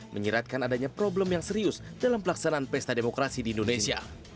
menyiratkan adanya problem yang serius dalam pelaksanaan pesta demokrasi di indonesia